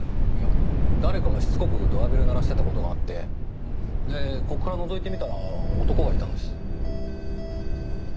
いや誰かがしつこくドアベル鳴らしてた事があってでここからのぞいてみたら男がいたんです。